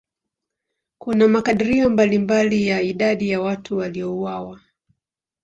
Kuna makadirio mbalimbali ya idadi ya watu waliouawa.